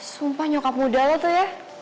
sumpah nyokap muda lah tuh ya